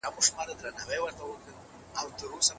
د انسان خلافت ډېر دروند پېټی دی.